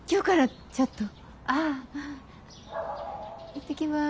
行ってきます。